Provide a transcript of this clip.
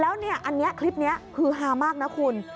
แล้วเนี่ยอันนี้คลิปนี้ฮือฮามากนะคุณ